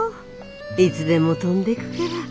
いつでも飛んでくから。